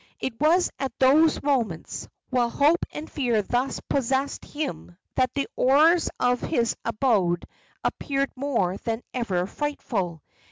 It was at those moments, while hope and fear thus possessed him, that the horrors of his abode appeared more than ever frightful.